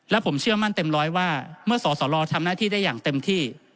และผมเชื่อมั่นเต็มร้อยว่าเมื่อสสลทำหน้าที่ได้อย่างเต็มที่